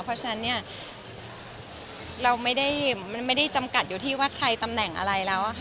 เพราะฉะนั้นเราไม่ได้จำกัดอยู่ที่ว่าใครตำแหน่งอะไรแล้ว